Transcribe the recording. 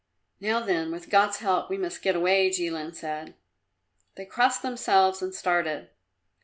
"Now then; with God's help we must get away," Jilin said. They crossed themselves and started.